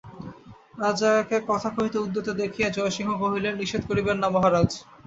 রাজাকে কথা কহিতে উদ্যত দেখিয়া জয়সিংহ কহিলেন, নিষেধ করিবেন না মহারাজ।